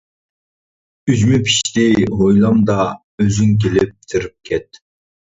ئۈجمە پىشتى ھويلامدا، ئۆزۈڭ كېلىپ تېرىپ كەت.